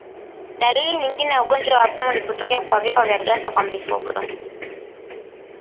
Dalili nyingine ya ugonjwa wa pumu ni kutokea kwa vifo vya ghafla kwa mifugo